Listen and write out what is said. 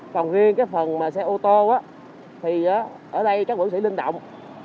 còn riêng cái phần xe ô tô thì ở đây các bộ chiến sĩ linh động